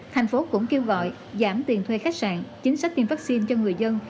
thành phố cũng kêu gọi giảm tiền thuê khách sạn chính sách tiêm vaccine cho người dân